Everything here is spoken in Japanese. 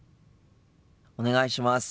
お願いします。